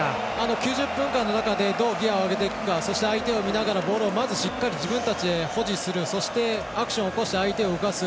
９０分間の中でどうギアを上げていくかそして、相手を見ながらボールをまずしっかり自分たちで保持するそして、アクションして相手を動かす。